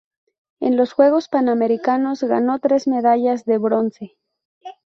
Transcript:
En los Juegos Panamericanos, ganó tres medallas de bronce.